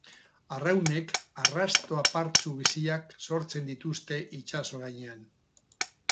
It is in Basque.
Arraunek arrasto apartsu biziak sortzen dituzte itsaso gainean.